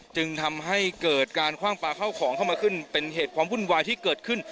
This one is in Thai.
จึงทำให้เกิดการคว่างปลาเข้าของเข้ามาขึ้นเป็นเหตุความวุ่นวายที่เกิดขึ้น